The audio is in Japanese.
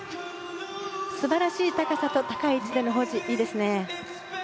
素晴らしい高さと高い位置での保持いいですね。